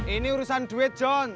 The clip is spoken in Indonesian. ini urusan duit john